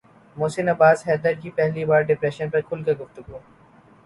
محسن عباس حیدر کی پہلی بار ڈپریشن پر کھل کر گفتگو